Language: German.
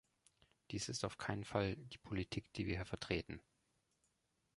Dies ist auf keinen Fall die Politik, die wir hier vertreten.